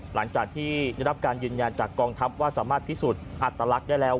หลังจากที่ได้รับการยืนยันจากกองทัพว่าสามารถพิสูจน์อัตลักษณ์ได้แล้ว